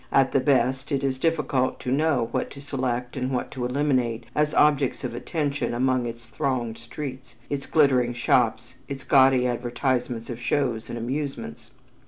At the best, it is difficult to know what to select and what to eliminate as objects of attention among its thronged streets, its glittering shops, its gaudy advertisements of shows and amusements.